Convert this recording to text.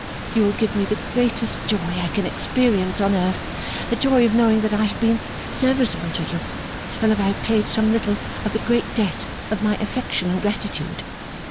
you will give me the greatest joy I can experience on earth, the joy of knowing that I have been serviceable to you, and that I have paid some little of the great debt of my affection and gratitude.